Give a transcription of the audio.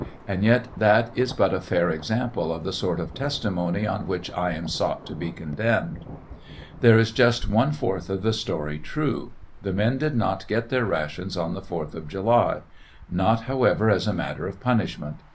and yet that is but a fair sample of the sort of testimony on wliich I am sought to be condemned. There is just one fourth of the story true. The men did not get their rations on the fourth of July; not, however, as a mat ter of punishme'nt.